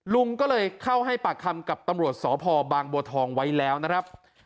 ลุงก็เลยเข้าให้ปากคำกับตำรวจสพบางบัวทองไว้แล้วนะครับ